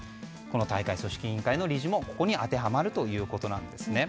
大会組織委員会の理事も当てはまるということなんです。